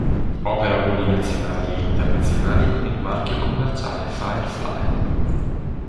Opera voli nazionali e internazionali con il marchio commerciale Firefly.